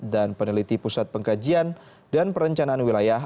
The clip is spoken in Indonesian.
dan peneliti pusat pengkajian dan perencanaan wilayah